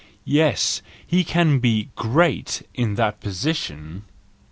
Yes, he can be great in that position!